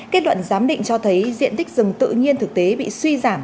kết luận giám định cho thấy diện tích rừng tự nhiên thực tế bị suy giảm